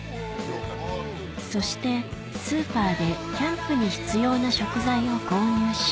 そしてスーパーでキャンプに必要な食材を購入し